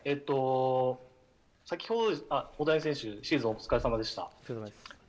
大谷選手、シーズンお疲れさまでした。